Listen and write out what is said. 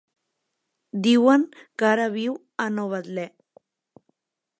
Diuen que ara viu a Novetlè.